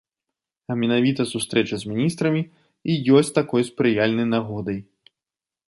А менавіта сустрэча з міністрамі і ёсць такой спрыяльнай нагодай.